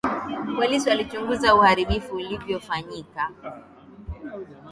Polisi walichunguza uharibifu uliofanyika